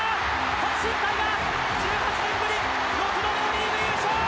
阪神タイガース、１８年ぶり、６度目のリーグ優勝。